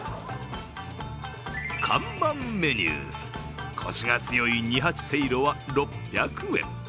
看板メニュー、こしが強い二八せいろは６００円。